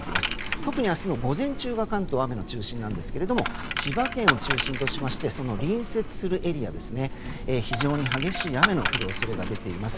特に明日の午前中が関東は雨の中心なんですが千葉県を中心としてその隣接するエリア非常に激しい雨の降る恐れが出ています。